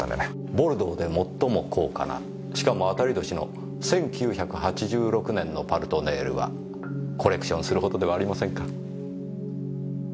ボルドーで最も高価なしかも当たり年の１９８６年の「パルトネール」はコレクションするほどではありませんか？